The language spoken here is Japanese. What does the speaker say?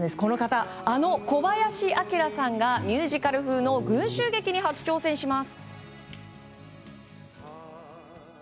あの小林旭さんがミュージカル風の群集劇に初挑戦します。